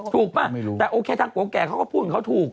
ถูกป่ะแต่โอเคทางกลัวแก่เขาก็พูดเหมือนเขาถูก